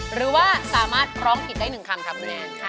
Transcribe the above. หรือว่าสามารถพร้องผิดได้หนึ่งคำครับเรียน